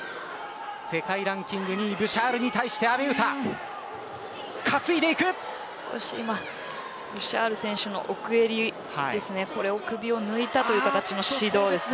世界ランキング２位ブシャールに対して阿部詩ブシャール選手の奥襟が抜いたという形の指導です。